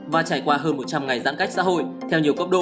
và trải qua hơn một trăm linh ngày giãn cách xã hội theo nhiều cấp độ